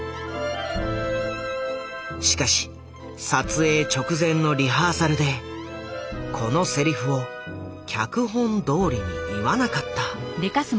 しかし撮影直前のリハーサルでこのセリフを脚本どおりに言わなかった。